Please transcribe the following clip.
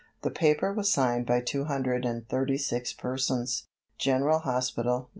The paper was signed by two hundred and thirty six persons. General Hospital No.